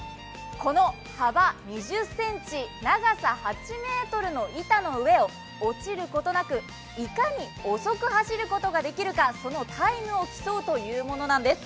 この幅２０ｃｍ、長さ８ｍの板の上を落ちることなく、いかに遅く走ることができるか、そのタイムを競うというものなんです。